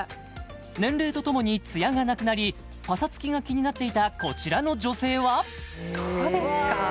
年齢とともにツヤがなくなりパサつきが気になっていたこちらの女性はどうですか？